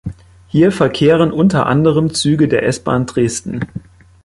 Hier verkehren unter anderem Züge der S-Bahn Dresden.